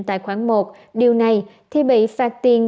tại khoảng một điều này thì bị phạt tiền